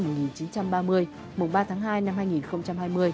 mùng ba tháng hai năm hai nghìn hai mươi